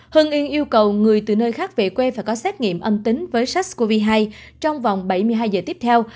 hưng yên yêu cầu người từ nơi khác về quê và có xét nghiệm âm tính với sars cov hai trong vòng bảy mươi hai giờ tiếp theo